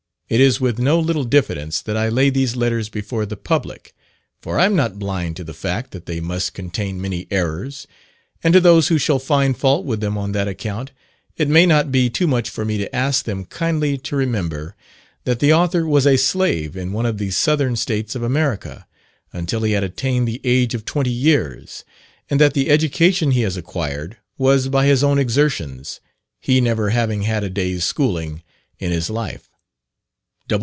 It is with no little diffidence that I lay these letters before the public; for I am not blind to the fact, that they must contain many errors; and to those who shall find fault with them on that account, it may not be too much for me to ask them kindly to remember, that the author was a slave in one of the Southern States of America, until he had attained the age of twenty years; and that the education he has acquired, was by his own exertions, he never having had a day's schooling in his life.